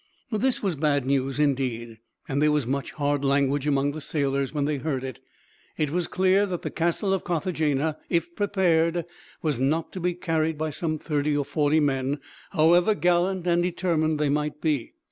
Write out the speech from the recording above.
This was bad news indeed, and there was much hard language among the sailors, when they heard it. It was clear that the castle of Carthagena, if prepared, was not to be carried by some thirty or forty men, however gallant and determined they might be.